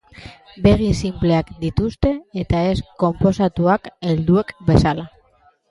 Begi sinpleak dituzte, eta ez konposatuak helduek bezala.